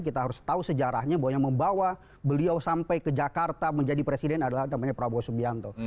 kita harus tahu sejarahnya bahwa yang membawa beliau sampai ke jakarta menjadi presiden adalah namanya prabowo subianto